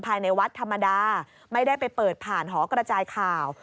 ภายในวัดธรรมดาไม่ได้ไปเปิดผ่านหอกระจายข่าว